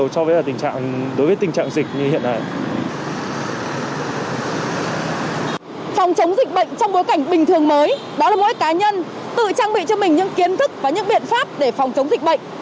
phòng chống dịch bệnh trong bối cảnh bình thường mới đó là mỗi cá nhân tự trang bị cho mình những kiến thức và những biện pháp để phòng chống dịch bệnh